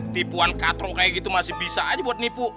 tipuan katro kayak gitu masih bisa aja buat nipu